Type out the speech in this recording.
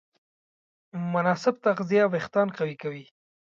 مناسب تغذیه وېښتيان قوي کوي.